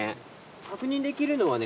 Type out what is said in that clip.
確認できるのはね